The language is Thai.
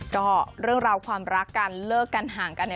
ก็เรื่องราวความรักกันเลิกกันห่างกัน